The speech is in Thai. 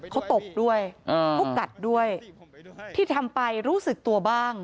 เขาตบด้วยเขากัดด้วยที่ทำไปรู้สึกตัวบ้าง